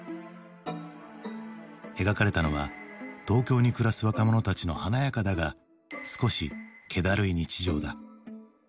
描かれたのは東京に暮らす若者たちの華やかだが少しけだるい日常だ。